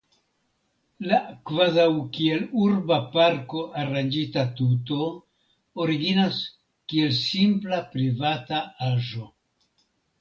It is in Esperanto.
La kvazaŭ kiel urba parko aranĝita tuto originas kiel simpla privata aĵo.